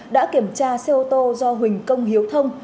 đã kiểm tra xe ô tô do huỳnh công hiếu thông